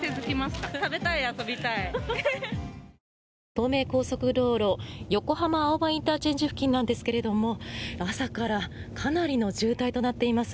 東名高速道路横浜青葉ＩＣ付近なんですが朝からかなりの渋滞となっています。